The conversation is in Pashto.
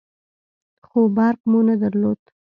خو برق مو نه درلود.